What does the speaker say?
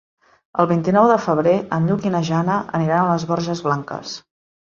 El vint-i-nou de febrer en Lluc i na Jana aniran a les Borges Blanques.